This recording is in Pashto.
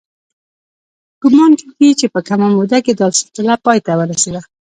ګومان کېږي چې په کمه موده کې دا سلسله پای ته ورسېده